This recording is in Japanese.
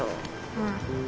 うん。